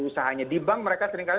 usahanya di bank mereka seringkali